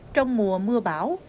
trong mùa mưa bão